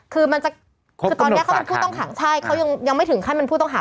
คือมันจะคือตอนนี้เขาเป็นผู้ต้องขังใช่เขายังไม่ถึงขั้นเป็นผู้ต้องหา